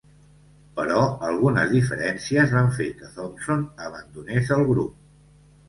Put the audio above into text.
Però algunes diferències van fer que Thompson abandonés el grup.